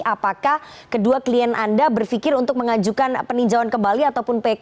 apakah kedua klien anda berpikir untuk mengajukan peninjauan kembali ataupun pk